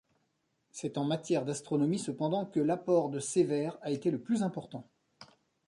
C’est en matière d'astronomie, cependant, que l’apport de Sévère a été le plus important.